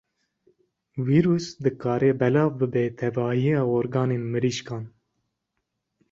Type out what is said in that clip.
Vîrus dikare belav bibe tevahiya organên mirîşkan.